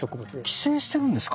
寄生してるんですか。